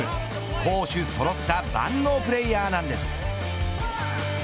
攻守そろった万能プレーヤーなんです。